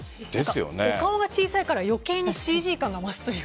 お顔が小さいから余計にＣＧ感が増すというか。